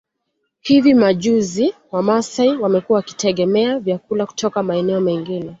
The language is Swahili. Hivi majuzi Wamasai wamekuwa wakitegemea vyakula kutoka maeneo mengine